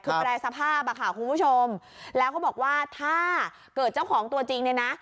คือแปรสภาพอ่ะค่ะคุณผู้ชมแล้วเขาบอกว่าถ้าเกิดเจ้าของตัวจริงเนี่ยนะ